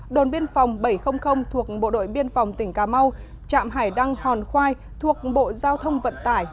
đồn biên phòng bảy trăm linh thuộc bộ đội biên phòng tỉnh cà mau trạm hải đăng hòn khoai thuộc bộ giao thông vận tải